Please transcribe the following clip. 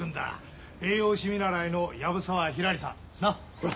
ほら。